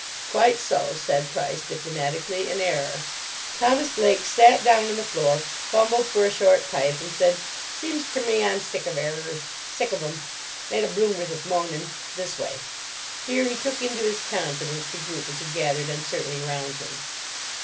"Quite so," said Price, diplomatically; "an error." Thomas Blake sat down on the floor, fumbled for a short pipe, and said, "Seems ter me I'm sick of errers. Sick of 'em! Made a bloomer this mornin'—this way." Here he took into his confidence the group which had gathered uncertainly round him.